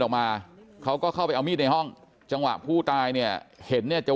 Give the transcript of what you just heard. ออกมาเขาก็เข้าไปเอามีดในห้องจังหวะผู้ตายเนี่ยเห็นเนี่ยจะ